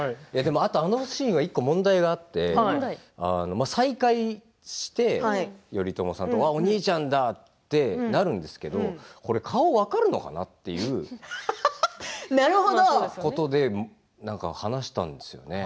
あのシーンは１個問題があって頼朝さんと再会して、お兄ちゃんだってなるんですけれどもこれ顔、分かるのかなっていう話したんですよね。